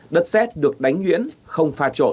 đất xét được đánh nhuyễn không pha trộn